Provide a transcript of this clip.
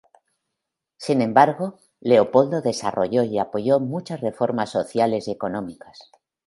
Sin embargo, Leopoldo desarrolló y apoyó muchas reformas sociales y económicas.